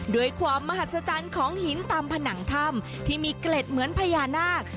ด้วยความมหัศจรรย์ของหินตามผนังถ้ำที่มีเกล็ดเหมือนพญานาค